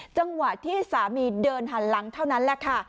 จังหวะที่สามีเดินหันหลังเท่านั้นแหละค่ะ